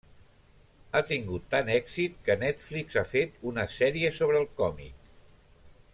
Ha tingut tant èxit que Netflix ha fet una sèrie sobre el còmic.